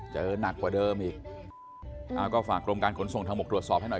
หนักกว่าเดิมอีกอ่าก็ฝากกรมการขนส่งทางบกตรวจสอบให้หน่อย